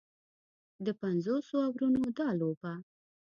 د پنځوسو اورونو دا لوبه